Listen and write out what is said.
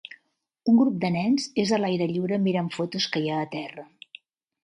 Un grup de nens és a l'aire lliure mirant fotos que hi ha a terra